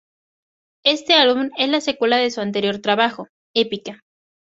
Este álbum es la secuela de su anterior trabajo, "Epica".